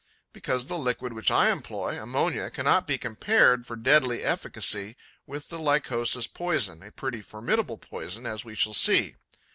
Because the liquid which I employ, ammonia, cannot be compared, for deadly efficacy, with the Lycosa's poison, a pretty formidable poison, as we shall see.